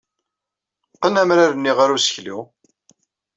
Qqen amrar-nni ɣer useklu.